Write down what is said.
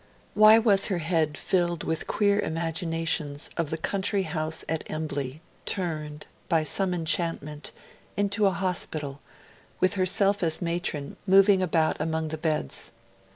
Why was her head filled with queer imaginations of the country house at Embley turned, by some enchantment, into a hospital, with herself as matron moving about among the beds?